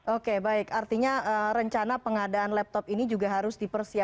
oke baik artinya rencana pengadaan laptop ini juga harus dipersiapkan